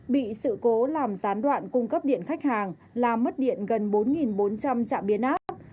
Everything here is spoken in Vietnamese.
bị sự cố làm gián đoạn cung cấp điện khách hàng làm mất điện gần bốn bốn trăm linh trạm biến áp